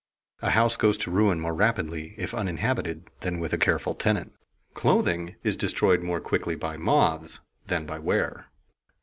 A house goes to ruin more rapidly if uninhabited than with a careful tenant; clothing is destroyed more quickly by moths than by wear.